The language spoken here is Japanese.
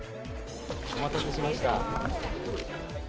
お待たせしました。